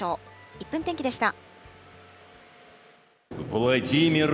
１分天気でした。